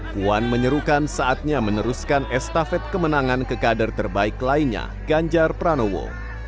puan menyerukan saatnya meneruskan estafet kemenangan ke kader terbaik lainnya ganjar pranowo